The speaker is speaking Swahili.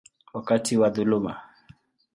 wakati wa dhuluma.